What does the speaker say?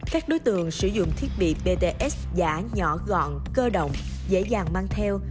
các đối tượng sử dụng thiết bị bts giả nhỏ gọn cơ động dễ dàng mang theo